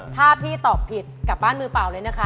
ถ้าพี่ตอบผิดกลับบ้านมือเปล่าเลยนะคะ